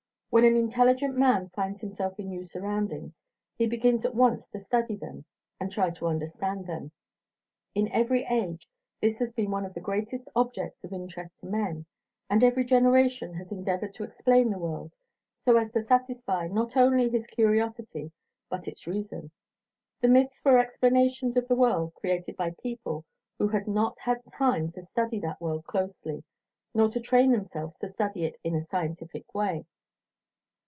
When an intelligent man finds himself in new surroundings, he begins at once to study them and try to understand them. In every age this has been one of the greatest objects of interest to men, and every generation has endeavoured to explain the world, so as to satisfy not only its curiosity but its reason. The myths were explanations of the world created by people who had not had time to study that world closely nor to train themselves to study it in a scientific way.